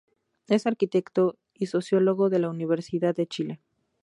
Es Arquitecto y Sociólogo de la Universidad de Chile.